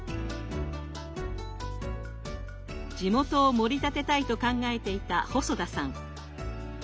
地元をもり立てたいと考えていた細田さん。